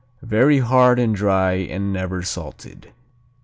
Very hard and dry and never salted.